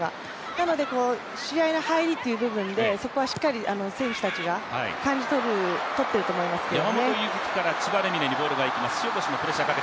なので試合の入りという部分でそこはしっかり選手たちが感じ取ってると思いますけどね。